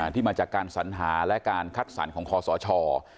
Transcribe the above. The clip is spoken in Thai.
ที่มาจากการสัญหาและการคัดสรรของคอสช